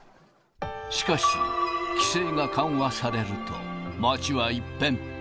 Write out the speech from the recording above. しかし、規制が緩和されると、街は一変。